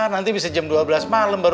nanti bisa jam dua belas malem